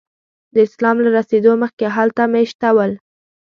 د اسلام له رسېدو مخکې هلته میشته ول.